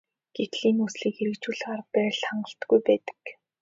Гэтэл энэ хүслийг хэрэгжүүлэх арга барил нь хангалтгүй байдаг.